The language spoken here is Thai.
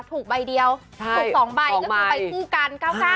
ถูกใบเดียวถูก๒ใบก็คือใบคู่กัน๙๙